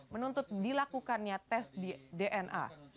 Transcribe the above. menuntut dilakukannya tes dna